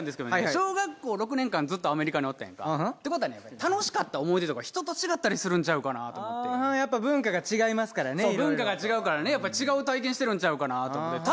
小学校６年間ずっとアメリカにおったやんかＡｈｈａてことはね楽しかった思い出とか人と違ったりするんちゃうかなと思ってＡｈｈａやっぱ文化が違いますからねいろいろ文化が違うからねやっぱり違う体験してるんちゃうかなと思ってＡｈｈａ